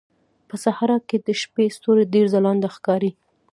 په صحراء کې د شپې ستوري ډېر ځلانده ښکاري.